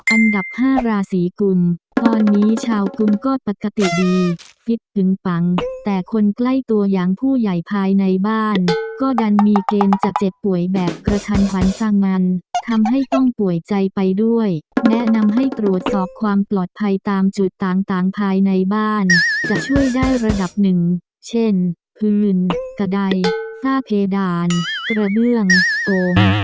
อันดับ๕ราศีกุลตอนนี้ชาวกุลก็ปกติดีฟิตถึงปังแต่คนใกล้ตัวอย่างผู้ใหญ่ภายในบ้านก็ดันมีเกณฑ์จะเจ็บป่วยแบบกระทันหันสร้างงันทำให้ต้องป่วยใจไปด้วยแนะนำให้ตรวจสอบความปลอดภัยตามจุดต่างต่างภายในบ้านจะช่วยได้ระดับหนึ่งเช่นพื้นกระดายฝ้าเพดานกระเบื้องโอ่ง